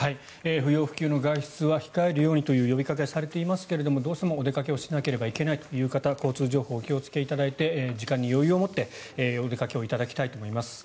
不要不急の外出は控えるようにという呼びかけがされていますがどうしてもお出かけしないといけないという方は交通情報に気をつけていただいて時間に余裕を持ってお出かけいただきたいと思います。